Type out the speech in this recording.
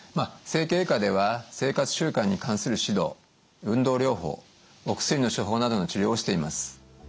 整形外科では生活習慣に関する指導運動療法お薬の処方などの治療をしています。